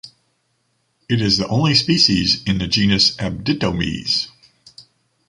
It is the only species in the genus Abditomys.